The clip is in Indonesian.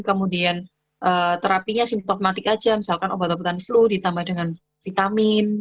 kemudian terapinya simptomatik saja misalkan obat obatan flu ditambah dengan vitamin